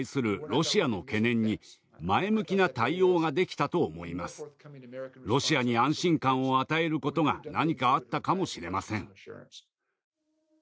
ロシアに安心感を与えることが何かあったかもしれません。